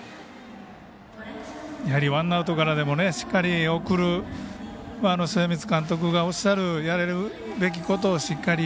ワンアウトからでもしっかり送る末光監督がおっしゃるやれるべきことをしっかり。